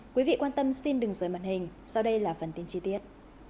quý vị quan tâm xin đừng rời màn hình sau đây là phần tin chi tiết